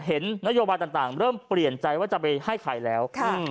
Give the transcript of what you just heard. เห็นนโยบายต่างเริ่มเปลี่ยนใจว่าจะไปให้ใครแล้ว